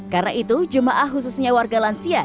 karena itu jemaah khususnya warga lansia